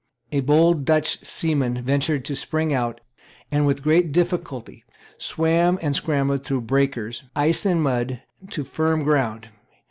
A bold Dutch seaman ventured to spring out, and, with great difficulty, swam and scrambled through breakers, ice and mud, to firm ground.